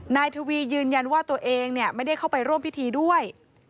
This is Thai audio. นายทวียืนยันว่าตัวเองไม่ได้เข้าไปร่วมพิธีด้วย